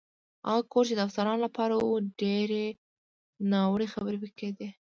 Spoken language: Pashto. هغه کور چې د افسرانو لپاره و، ډېرې ناوړه خبرې پکې کېدې.